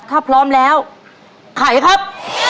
ถ้าพร้อมแล้วไขครับ